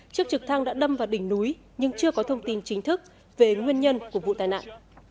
chiếc trực thăng đã đâm vào đỉnh núi nhưng chưa có thông tin chính thức về nguyên nhân của vụ tai nạn